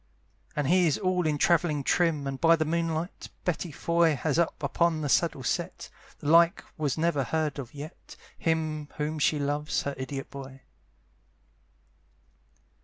And he is all in travelling trim, And by the moonlight, Betty Foy Has up upon the saddle set, The like was never heard of yet, Him whom she loves, her idiot boy.